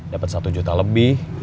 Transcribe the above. dapet satu juta lebih